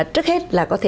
trước hết là có thể